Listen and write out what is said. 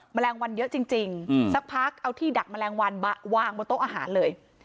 แมลงวันเยอะจริงสักพักเอาที่ดักแมลงวันมาวางบนโต๊ะอาหารเลย